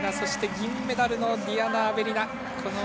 銀メダルのディナ・アベリナ。